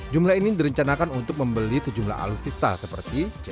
jumlah ini direncanakan untuk menjadikan indonesia sebuah perusahaan yang lebih berkembang